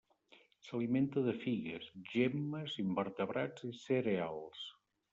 S'alimenta de figues, gemmes, invertebrats i cereals.